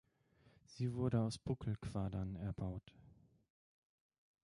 Sie wurde aus Buckelquadern erbaut.